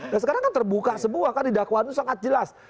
dan sekarang kan terbuka sebuah kan di dakwaan itu sangat jelas